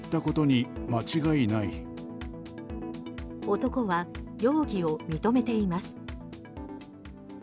男は容疑を認めています。